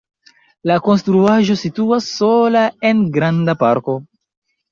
La konstruaĵo situas sola en granda parko.